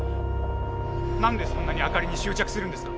なんでそんなに朱莉に執着するんですか？